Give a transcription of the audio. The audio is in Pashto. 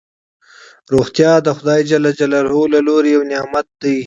روغتیا دخدای ج له لوری یو نعمت دی